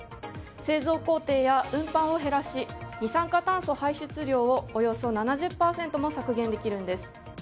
製造工程や運搬を減らし二酸化炭素排出量をおよそ７０％も削減できるんです。